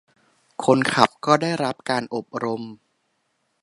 คนขับก็ได้รับการอบรม